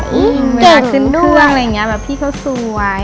เวลาขึ้นเครื่องพี่เขาสวย